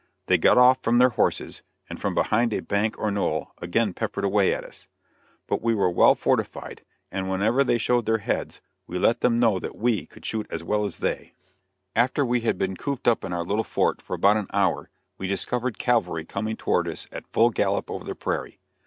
They got off from their horses, and from behind a bank or knoll, again peppered away at us; but we were well fortified, and whenever they showed their heads we let them know that we could shoot as well as they. [Illustration: THE FIRE SIGNAL.] After we had been cooped up in our little fort, for about an hour, we discovered cavalry coming toward us at full gallop over the prairie.